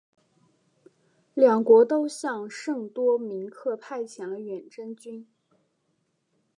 两国都向圣多明克派遣了远征军。